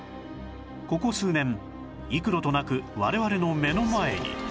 ここ数年幾度となく我々の目の前に